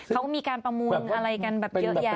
เขาก็มีการประมูลอะไรกันแบบเยอะแยะ